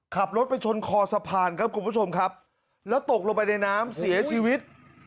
ขับรถไปชนคอสะพานครับแล้วตกลงไปในน้ำเสียชีวิต